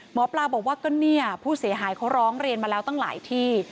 หมอปลาบอกว่าก็เนี่ยผู้เสียหายเขาร้องเรียนมาแล้วตั้งหลายที่